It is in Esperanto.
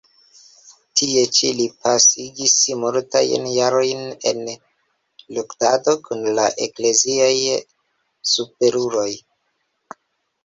Tie ĉi li pasigis multajn jarojn en luktado kun la ekleziaj superuloj.